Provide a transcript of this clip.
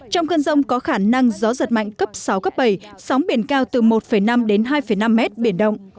trong cơn rông có khả năng gió giật mạnh cấp sáu bảy sóng biển cao từ một năm hai năm mét biển đông